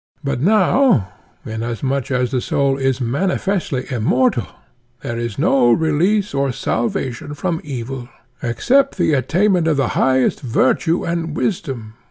But now, inasmuch as the soul is manifestly immortal, there is no release or salvation from evil except the attainment of the highest virtue and wisdom.